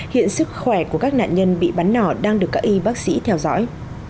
hiện sức khỏe của các nạn nhân bị bắn nỏ đang được các y bác sĩ theo dõi